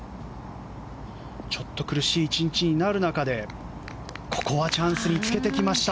ちょっと苦しい１日になる中でここはチャンスにつけてきました。